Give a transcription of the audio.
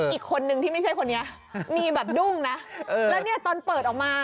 อีกคนนึงที่ไม่ใช่คนนี้มีแบบดุ้งนะแล้วเนี่ยตอนเปิดออกมา